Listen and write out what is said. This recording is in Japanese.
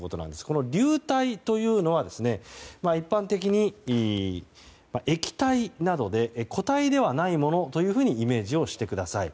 この流体というのは一般的に液体などで固体ではないものというふうにイメージしてください。